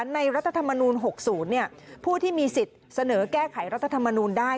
รัฐธรรมนูล๖๐ผู้ที่มีสิทธิ์เสนอแก้ไขรัฐธรรมนูลได้